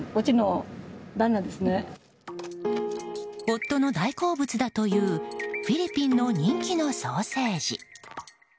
夫の大好物だというフィリピンの人気のソーセージ。